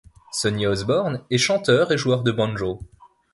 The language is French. Sonny Osborne est chanteur et joueur de banjo.